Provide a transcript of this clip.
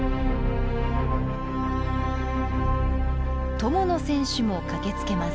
友野選手も駆けつけます。